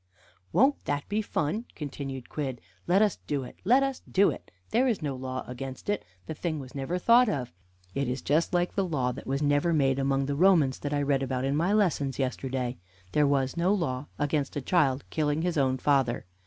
"Won't that be fun?" continued Quidd. "Let us do it let us do it. There is no law against it; the thing was never thought of. It is just like the law that was never made among the Romans that I read about in my lessons yesterday: there was no law against a child killing his own father.